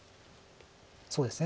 そうですね